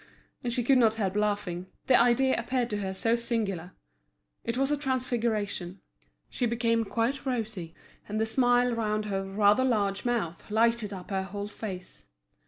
And she could not help laughing, the idea appeared to her so singular. It was a transfiguration; she became quite rosy, and the smile round her rather large mouth lighted up her whole face.